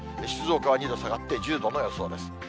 静岡は２度下がって１０度の予想です。